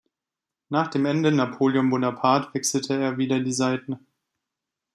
Nach dem Ende Napoleon Bonaparte wechselte er wieder die Seiten.